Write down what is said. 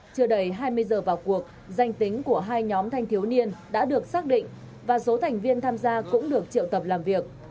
chưa đầy hai mươi giờ vào cuộc danh tính của hai nhóm thanh thiếu niên đã được xác định và số thành viên tham gia cũng được triệu tập làm việc